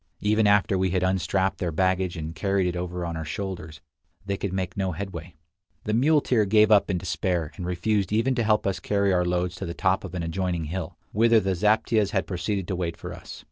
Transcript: Even after we had unstrapped their baggage and carried it over on our shoulders, they could make no headway. The muleteer gave up in despair, and refused even to help us carry our loads to the top of an adjoining hill, whither the zaptiehs had proceeded to wait for us.